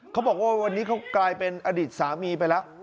เขาบอกว่าวันนี้เขากลายเป็นอดีตสามีไปแล้ว